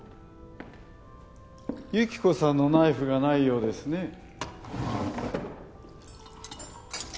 幸子さんのナイフがないようですね。